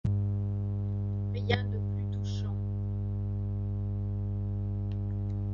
Rien de plus touchant.